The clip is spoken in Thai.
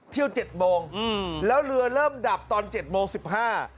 เจ็ดโมงอืมแล้วเรือเริ่มดับตอนเจ็ดโมงสิบห้า